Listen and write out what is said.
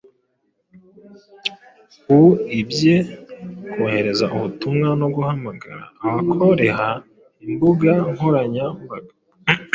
Uibye kohereza ubutumwa no guhamagara, abakoreha imbuga nkoranya mbaga